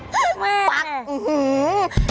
ปั๊กอื้อหือ